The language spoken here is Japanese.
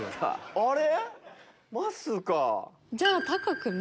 あれ。